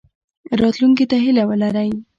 راتلونکي ته هیله ولرئ